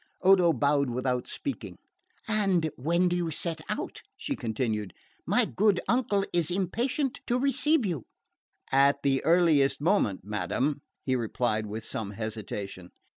Odo bowed without speaking. "And when do you set out?" she continued. "My good uncle is impatient to receive you." "At the earliest moment, madam," he replied with some hesitation.